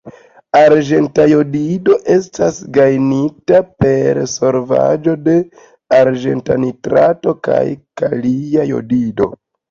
Arĝenta jodido estas gajnita per solvaĵo de arĝenta nitrato kaj kalia jodido.